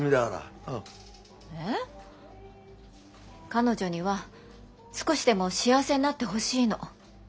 彼女には少しでも幸せになってほしいの。